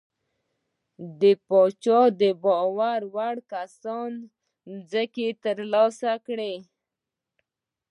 د پاچا د باور وړ کسانو ځمکې ترلاسه کړې.